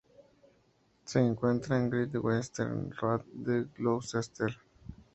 Se encuentra en "Great Western Road" de Gloucester.